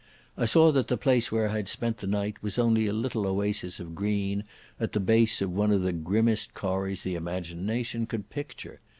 I saw that the place where I had spent the night was only a little oasis of green at the base of one of the grimmest corries the imagination could picture.